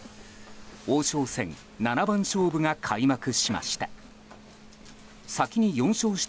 王将戦七番勝負が開幕しました。